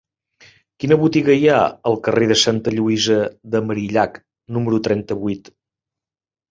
Quina botiga hi ha al carrer de Santa Lluïsa de Marillac número trenta-vuit?